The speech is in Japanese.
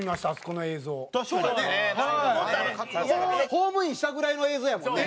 ホームインしたぐらいの映像やもんね。